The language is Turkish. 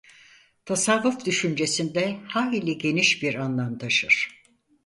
Tasavvuf düşüncesinde hayli geniş bir anlam taşır.